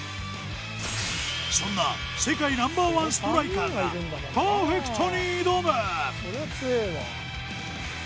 そんな世界Ｎｏ．１ストライカーがパーフェクトに挑む！